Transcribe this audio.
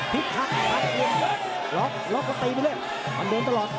พลิกคับล็อคล็อคก็ตีไปเลยมันเดินตลอด